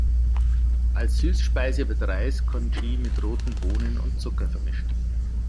Als Süßspeise wird Reis-Congee mit roten Bohnen und Zucker vermischt.